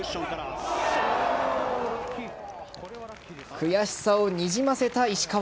悔しさをにじませた石川。